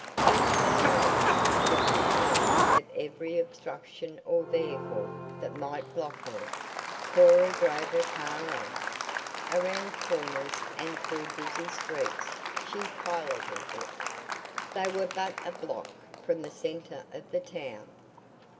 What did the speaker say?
With keen eyes, that took note of every obstruction or vehicle that might block her, Cora drove her car on. Around corners, and through busy streets she piloted it. They were but a block from the center of the town.